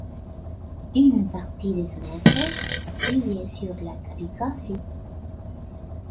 Une partie de son œuvre s'appuie sur la calligraphie.